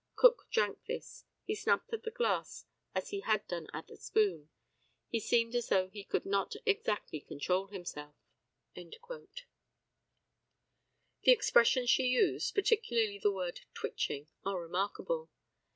Cook drank this. He snapped at the glass as he had done at the spoon. He seemed as though he could not exactly control himself." The expressions she used, particularly the word "twitching," are remarkable.